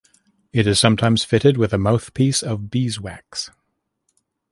It is sometimes fitted with a mouthpiece of beeswax.